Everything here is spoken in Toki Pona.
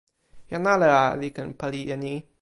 jan ale a li ken pali e ni!